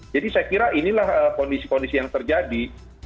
jadi saya kira inilah kondisi kondisi yang terjadi